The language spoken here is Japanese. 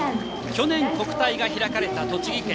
去年国体が開かれた栃木県。